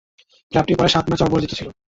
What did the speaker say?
ক্লাবটি পরের সাত ম্যাচে অপরাজিত ছিল।